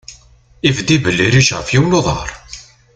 Ibedd yibellireǧ ɣef yiwen n uḍar.